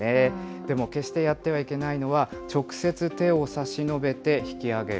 でも決してやってはいけないのは、直接、手を差し伸べて引き上げる、